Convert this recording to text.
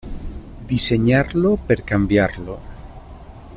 Dissenyar-lo per canviar-lo.